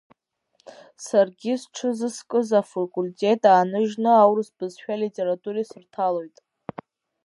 Саргьы сҽыззыскыз афакультет ааныжьны аурыс бызшәеи алитературеи сырҭалоит.